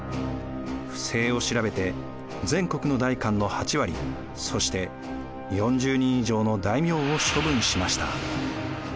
不正を調べて全国の代官の８割そして４０人以上の大名を処分しました。